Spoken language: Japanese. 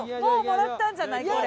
もうもらったんじゃない？